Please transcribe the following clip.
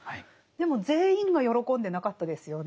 でも全員が喜んでなかったですよね。